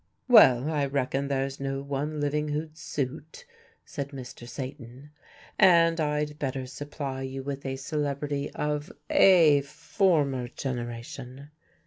"Well, I reckon there's no one living who'd suit," said Mr. Satan, "and I'd better supply you with a celebrity of a former generation."